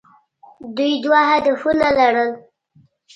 دوی دوه هدفونه لرل.